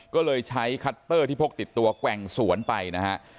ก็เลยใช้คัตเตอร์ที่พกติดตัวแกว่งสวนไปนะฮะ